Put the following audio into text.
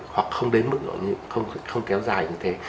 hoặc không đến mức không kéo dài như thế